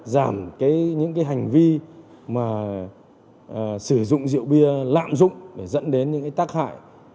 giảm những cái hành vi mà sử dụng rượu bia lạm dụng để dẫn đến những cái tác hại